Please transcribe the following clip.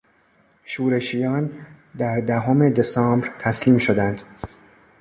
شورشیان در دهم دسامبر تسلیم شدند.